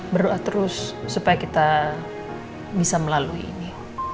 berdoa terus supaya kita bisa melalui ini